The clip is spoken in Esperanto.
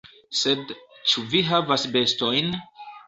Sed, ĉu vi havas bestojn?